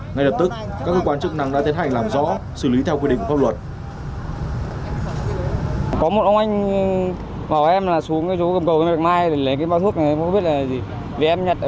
ngay lập tức các cơ quan chức năng đã tiến hành làm rõ xử lý theo quy định pháp luật